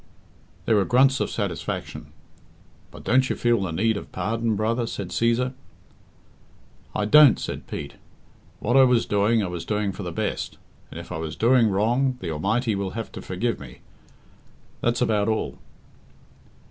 There were grunts of satisfaction. "But don't you feel the need of pardon, brother," said Cæsar. "I don't," said Pete. "What I was doing I was doing for the best, and, if I was doing wrong, the Almighty will have to forgive me that's about all."